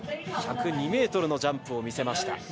１０２ｍのジャンプを見せました。